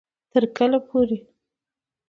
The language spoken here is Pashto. تر کله پورې